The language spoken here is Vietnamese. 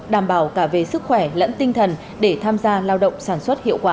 đảm bảo cả về sức khỏe lẫn tinh thần để tham gia lao động sản xuất hiệu quả